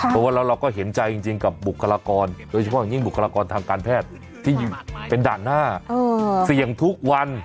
เพราะว่าเราก็เห็นใจจริงกับบุคลากรโดยเฉพาะอย่างยิ่งบุคลากรทางการแพทย์ที่เป็นด่านหน้าเสี่ยงทุกวัน